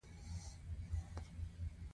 د ځان ساتلو ځواک يې د بې هوشۍ په رسۍ تړلی و.